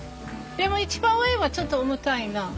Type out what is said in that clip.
でも一番上はちょっと重たいな。